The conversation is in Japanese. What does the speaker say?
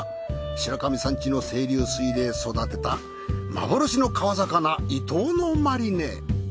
白神山地の清流水で育てた幻の川魚イトウのマリネ。